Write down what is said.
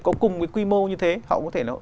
có cùng cái quy mô như thế họ có thể